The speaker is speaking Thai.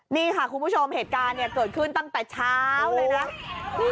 นี่ค่ะคุณผู้ชมเหตุการณ์เกิดขึ้นตั้งแต่เช้าเลยนะ